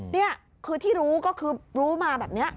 นี่คือที่รู้ก็คือรู้มาแบบนี้